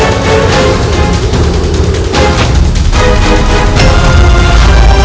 aku akan menangkapmu